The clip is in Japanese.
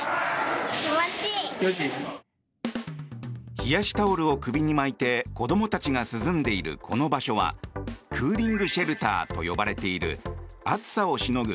冷やしタオルを首に巻いて子どもたちが涼んでいるこの場所はクーリングシェルターと呼ばれている暑さをしのぐ